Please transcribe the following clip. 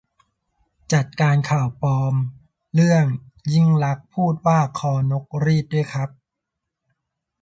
จัดการข่าวปลอมเรื่อง ยิ่งลักษณ์พูดว่า คอ-นก-รีต ด้วยครับ